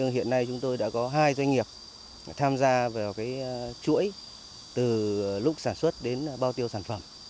hiện nay chúng tôi đã có hai doanh nghiệp tham gia vào chuỗi từ lúc sản xuất đến bao tiêu sản phẩm